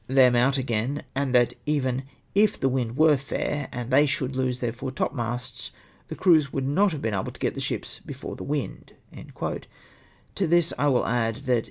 them out again ; and that even, if the wind w^ere fair and they sliould lose tlieir foremasts, the crews would not have been able to get the ships before the wind." To this, I will add that